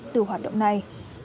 từ hoạt động này